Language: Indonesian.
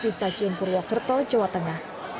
di stasiun purwokerto jawa tengah